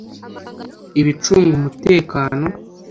ibicunga umutekano